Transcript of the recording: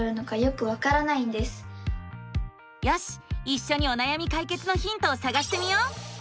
いっしょにおなやみ解決のヒントをさがしてみよう！